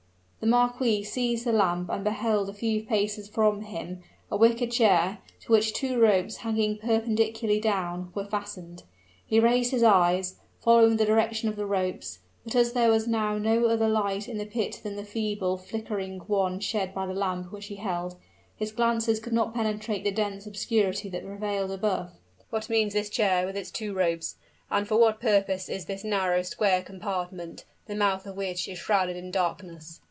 The marquis seized the lamp, and beheld, a few paces from from him, a wicker chair, to which two ropes, hanging perpendicularly down, were fastened. He raised his eyes, following the direction of the ropes, but as there was now no other light in the pit than the feeble, flickering one shed by the lamp which he held, his glances could not penetrate the dense obscurity that prevailed above. "What means this chair, with its two ropes? and for what purpose is this narrow, square compartment, the mouth of which is shrouded in darkness?"